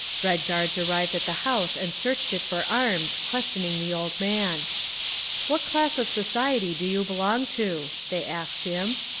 Red Guards arrived at the house and searched it for arms, questioning the old man. "What class of society do you belong to?" they asked him.